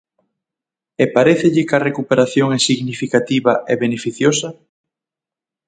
¿E parécelle que a recuperación é significativa e beneficiosa?